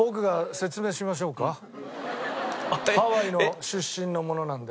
ハワイの出身の者なんで。